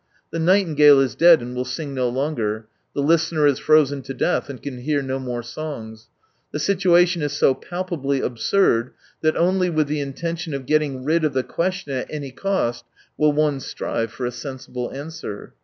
The nightingale is dead and will sing no longer, the listener is frozen to death and can hear no more songs. The situation is so palp ably absurd that only with the intention of getting rid of the question at any cost will one strive for a sensible answer.